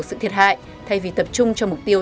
sự thiệt hại thay vì tập trung cho mục tiêu